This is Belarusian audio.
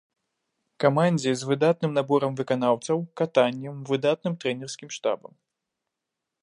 Камандзе з выдатным наборам выканаўцаў, катаннем, выдатным трэнерскі штабам.